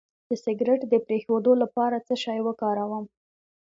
د سګرټ د پرېښودو لپاره څه شی وکاروم؟